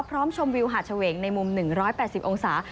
พร้อมชมวิวหาชะเวงในมุม๑๘๐องศา